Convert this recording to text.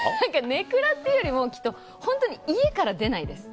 根暗っていうよりも本当に家から出ないです。